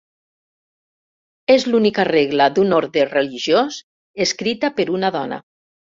És l'única regla d'un orde religiós escrita per una dona.